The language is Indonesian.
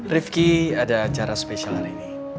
rifki ada acara spesial hari ini